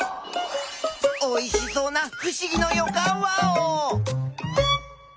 おいしそうなふしぎのよかんワオ！